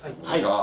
はい！